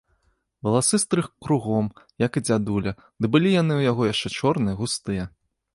Валасы стрыг кругом, як і дзядуля, ды былі яны ў яго яшчэ чорныя, густыя.